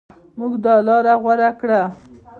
موږ دا لاره غوره کړه.